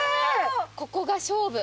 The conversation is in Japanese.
ここが勝負。